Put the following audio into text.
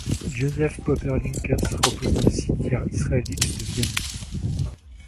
Josef Popper-Lynkeus repose dans le cimetière israélite de Vienne.